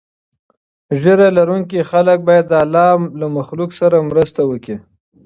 ږیره لرونکي خلک باید د الله له مخلوق سره مرسته وکړي.